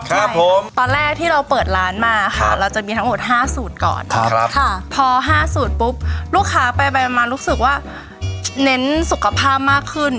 ครับผมตอนแรกที่เราเปิดร้านมาค่ะเราจะมีทั้งหมดห้าสูตรก่อนครับค่ะพอห้าสูตรปุ๊บลูกค้าไปไปมารู้สึกว่าเน้นสุขภาพมากขึ้น